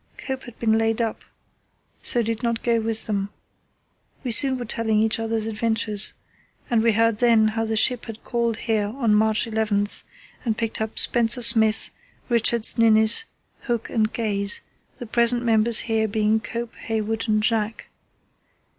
Cope had been laid up, so did not go with them. We soon were telling each other's adventures, and we heard then how the ship had called here on March 11 and picked up Spencer Smith, Richards, Ninnis, Hooke, and Gaze, the present members here being Cope, Hayward, and Jack.